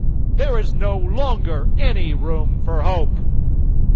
There is no longer any room for hope.